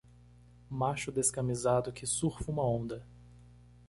Macho descamisado que surfa uma onda.